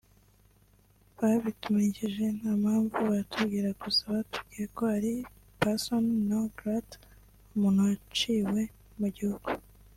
Babitumenyesheje nta mpamvu baratubwira gusa batubwiye ko ari persona non grata [umuntu waciwe mu gihugu]